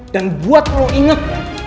dan buat lo inget